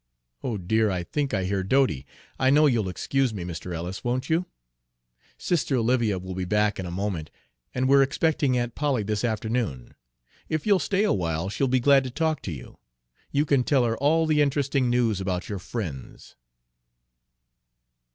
Oh dear, I think I hear Dodie, I know you'll excuse me, Mr. Ellis, won't you? Sister Olivia will be back in a moment; and we're expecting Aunt Polly this afternoon, if you'll stay awhile she'll be glad to talk to you! You can tell her all the interesting news about your friends!"